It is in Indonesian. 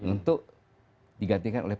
untuk digantikan oleh